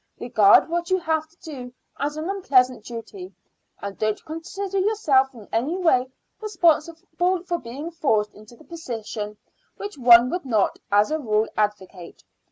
Regard what you have to do as an unpleasant duty, and don't consider yourself in any way responsible for being forced into the position which one would not, as a rule, advocate.